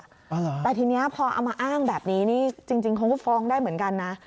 อ๋อเหรอแต่ทีนี้พอเอามาอ้างแบบนี้จริงของคุณฟองได้เหมือนกันนะ